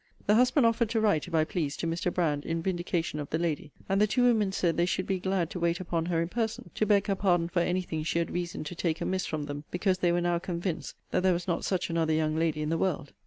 The husband offered to write, if I pleased, to Mr. Brand, in vindication of the lady; and the two women said they should be glad to wait upon her in person, to beg her pardon for any thing she had reason to take amiss from them; because they were now convinced that there was not such another young lady in the world.